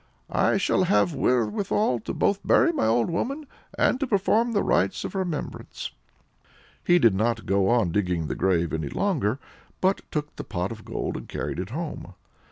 I shall have wherewithal both to bury my old woman, and to perform the rites of remembrance." He did not go on digging the grave any longer, but took the pot of gold and carried it home.